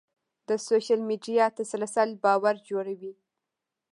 د سوشل میډیا تسلسل باور جوړوي.